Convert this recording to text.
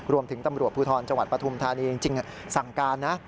รวมถึงตำรวจภูทรจังหวัดปฐุมธานีจริงสั่งการนะ